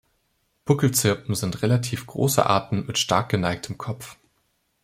Buckelzirpen sind relativ große Arten mit stark geneigtem Kopf.